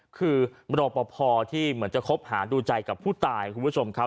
คือรอปภที่เหมือนจะคบหาดูใจกับผู้ตายคุณผู้ชมครับ